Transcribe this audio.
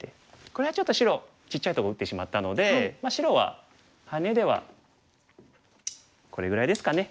これはちょっと白ちっちゃいとこ打ってしまったので白はハネではこれぐらいですかね。